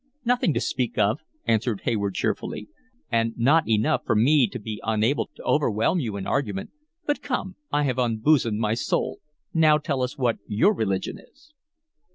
"Nothing to speak of," answered Hayward cheerfully. "And not enough for me to be unable to overwhelm you in argument. But come, I have unbosomed my soul; now tell us what your religion is."